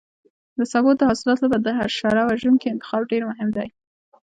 د سبو د حاصلاتو لپاره د حشره وژونکو انتخاب ډېر مهم دی.